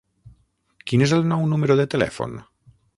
Quin és el nou número de telèfon?